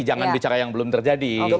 jangan bicara yang belum terjadi